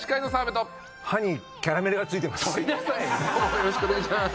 よろしくお願いします。